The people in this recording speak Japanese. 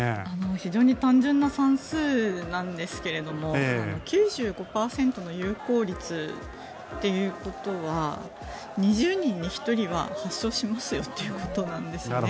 非常に単純な算数なんですが９５％の有効率ということは２０人に１人は発症しますよということなんですね。